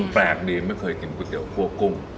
แปลกดีไม่เคยกินก๋วเตี๋คั่วกุ้ง